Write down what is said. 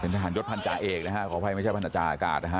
เป็นทหารยดพันธุ์จาเอกนะฮะขอโทษไม่ใช่พันธุ์จาอากาศนะฮะ